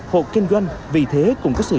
hộ kinh doanh vì thế cũng có sự